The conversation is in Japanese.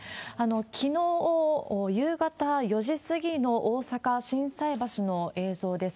きのう夕方４時過ぎの大阪・心斎橋の映像です。